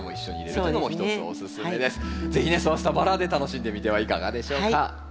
是非ね育てたバラで楽しんでみてはいかがでしょうか。